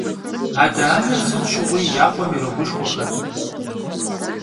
Ade - aner sıt şığui yakhuem yiroguşşxuexer.